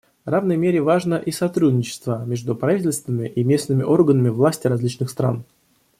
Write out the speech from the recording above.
В равной мере важно и сотрудничество между правительствами и местными органами власти различных стран.